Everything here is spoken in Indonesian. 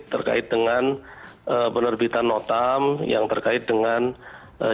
terkait dengan penerbitan notam yang terkait dengan jarak pandang